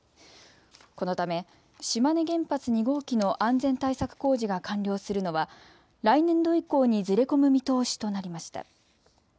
このため島根原発２号機の安全対策工事が完了するのは来年度以降にずれ込む見通しとなりました。